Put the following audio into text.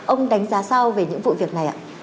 ông đánh giá sao về những vụ việc này ạ